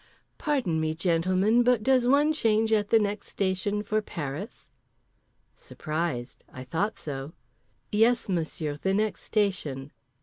"Pardon me, gentlemen, but does one change at the next station for Paris?" Surprised. I thought so. "Yes, Monsieur, the next station."